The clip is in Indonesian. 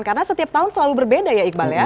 karena setiap tahun selalu berbeda ya iqbal ya